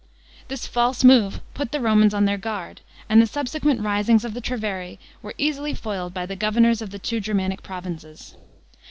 This false move put the Romans on their guard, and the subsequent risings of the Treveri were easily foiled by the governors of the two Germanic provinces.